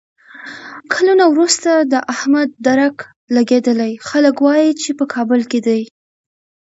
کلونه ورسته د احمد درک لګېدلی، خلک وایي چې په کابل کې دی.